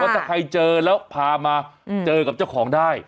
ถ้าใครเจอแล้วพามาเจอกับเจ้าของได้